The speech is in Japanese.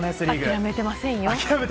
諦めてませんよ！